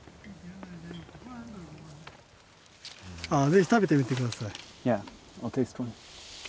ぜひ食べてみて下さい。